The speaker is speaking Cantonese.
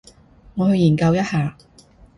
我去研究一下